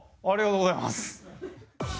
ありがとうございます。